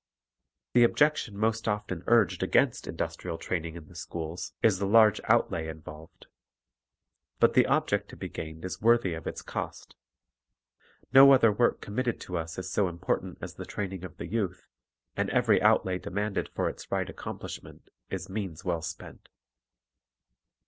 The objection most often urged against industrial training in the schools is the large outlay involved. But the object to be gained is worthy of its cost. No other work committed to us is so important as the train ing of the youth, and every outlay demanded for its right accomplishment is means well spent.